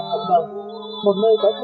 tổ hợp miễn phí